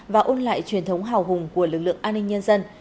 và ôn lại truyền thống hào hùng của lực lượng an ninh nhân dân